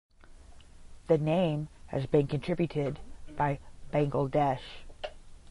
The name has been contributed by Bangladesh.